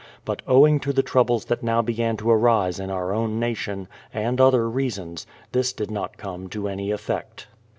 But owing to the troubles that now began to arise in our own nation, and other reasons, this did not come to any effect.